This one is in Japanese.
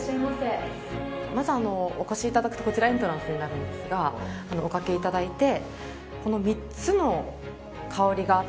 まずお越しいただくとこちらがエントランスになるんですがおかけいただいて。